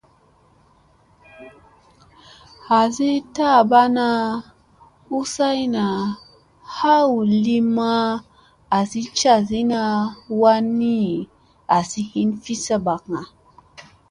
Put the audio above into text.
Hasi taaɓana u sayna haa hu li maa asi casina waani asi hin fi saɓakga.